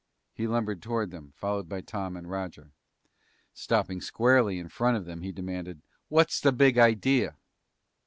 He lumbered toward them, followed by Tom and Roger. Stopping squarely in front of them, he demanded, "What's the big idea?"